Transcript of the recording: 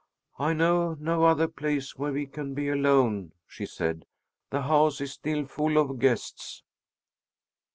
"I know no other place where we can be alone," she said. "The house is still full of guests."